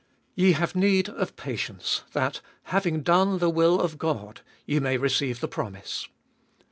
Ye have need of patience, that, having done the will of God, ye may receive the promise.